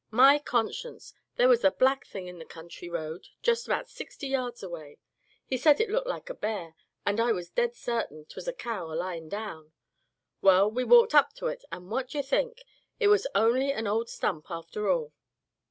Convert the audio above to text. My conscience! there was a black thing in the country road just about sixty yards away; he said it looked like a bear, and I was just dead certain 'twas a cow a lyin' down. Well, we walked up to it, and what d'ye think, it was only an old stump after all."